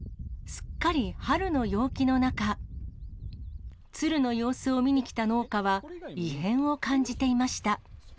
すっかり春の陽気の中、ツルの様子を見に来た農家は、異変を感じていました。